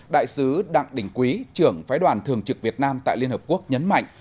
đại sứ đặng đình quý trưởng phái đoàn thường trực việt nam tại liên hợp quốc nhấn mạnh